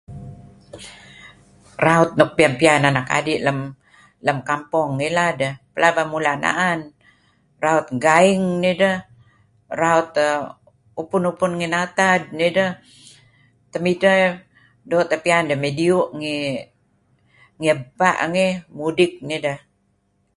Raut nuk pian-pian anak adi' lem... lem kampung ngillad eh... pelaba mula' na'an. Raut gaing nideh, raut err... upun-upun ngih natad nideh. Temidteh eh, doo' teh pian deh mey... mey diu' ngih ebpa' ngih. Mudik nideh.